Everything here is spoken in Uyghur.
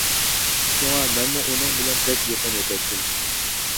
شۇڭا مەنمۇ ئۇنىڭ بىلەن بەك يېقىن ئۆتەتتىم.